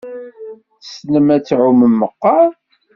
Tessnem ad tɛumem meqqar?